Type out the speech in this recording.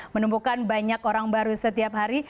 menemukan banyak orang baru setiap hari